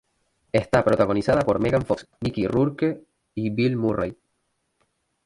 Está protagonizada por Megan Fox, Mickey Rourke y Bill Murray.